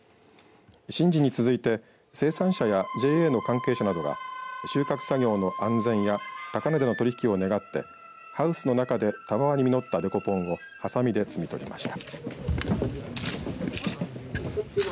神事に続いて生産者やＪＡの関係者などが収穫作業の安全や高値での取り引きを願ってハウスの中でたわわに実ったデコポンをハサミで摘み取りました。